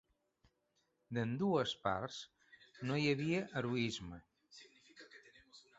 D'ambdues parts, no hi havia heroisme.